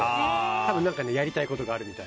多分何かやりたいことがあるみたい。